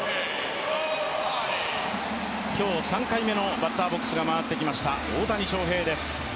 今日、３回目のバッターボックスが回ってきました大谷翔平です。